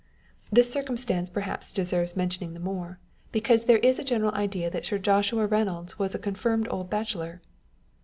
This circumstance perhaps deserves mentioning the more, because there is a general idea that Sir Joshua Reynolds was a confirmed old bachelor.